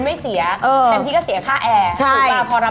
เมื่อกี้ก็เสียค่าแอร์